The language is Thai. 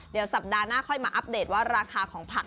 เดี๋ยวสัปดาห์หน้าค่อยมาอัปเดตว่าราคาของผัก